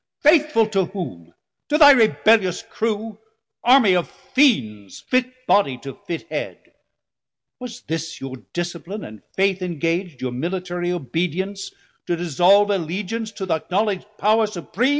Faithful to whom? to thy rebellious crew? Armie of Fiends, fit body to fit head; Was this your discipline and faith ingag'd, Your military obedience, to dissolve Allegeance to th' acknowledg'd Power supream?